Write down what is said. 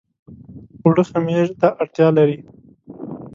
اوړه خمیر ته اړتيا لري